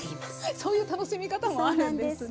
そういう楽しみ方もあるんですね。